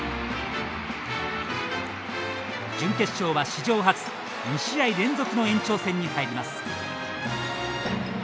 準決勝は史上初２試合連続の延長戦に入ります。